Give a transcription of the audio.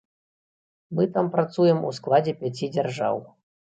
Мы там працуем у складзе пяці дзяржаў.